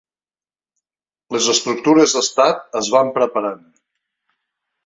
Les estructures d’estat es van preparant.